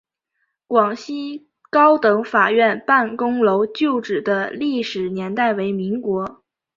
广西高等法院办公楼旧址的历史年代为民国。